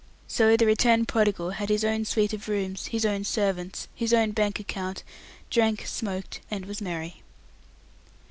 So the returned prodigal had his own suite of rooms, his own servants, his own bank account, drank, smoked, and was merry.